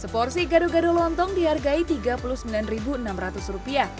seporsi gado gado lontong dihargai rp tiga puluh sembilan enam ratus